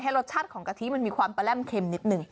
รสชาติของกะทิมันมีความประแร่มเค็มนิดนึง